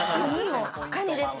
カニです。